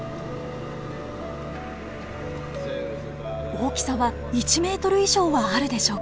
大きさは１ｍ以上はあるでしょうか。